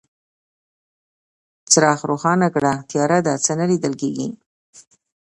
څراغ روښانه کړه، تياره ده، څه نه ليدل کيږي.